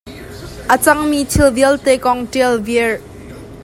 A cang mi thil vialte kong ṭial viar.